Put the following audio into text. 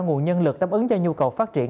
nguồn nhân lực đáp ứng cho nhu cầu phát triển